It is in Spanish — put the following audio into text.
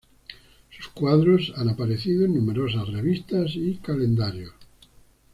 Sus cuadros han aparecido en numerosas revistas y calendarios.